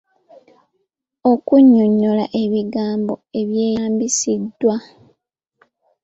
Okunnyonnyola ebigambo ebyeyambisiddwa.